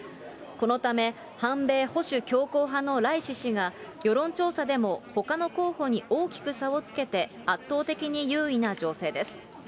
このため、反米保守強硬派のライシ師が、世論調査でもほかの候補に大きく差をつけて、圧倒的に優位な情勢です。